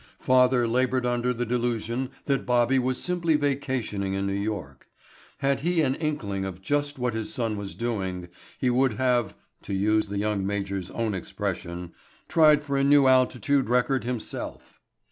Father labored under the delusion that Bobby was simply vacationing in New York. Had he had an inkling of just what his son was doing he would have (to use the young major's own expression) "tried for a new altitude record himself."